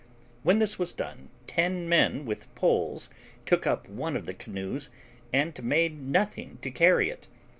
When this was done, ten men with poles took up one of the canoes and made nothing to carry it.